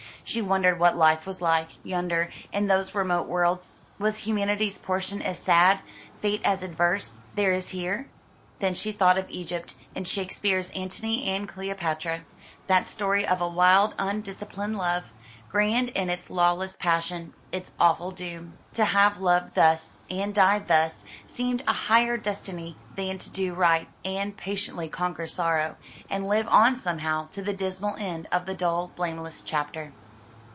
She wondered what life was like, yonder, in those remote worlds. Was humanity's portion as sad, fate as adverse, there as here? Then she thought of Egypt, and Shakespeare's Antony and Cleopatra that story of a wild, undisciplined love, grand in its lawless passion its awful doom. To have loved thus, and died thus, seemed a higher destiny than to do right, and patiently conquer sorrow, and live on somehow to the dismal end of the dull blameless chapter.